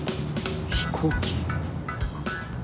飛行機？